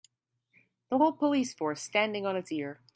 The whole police force standing on it's ear.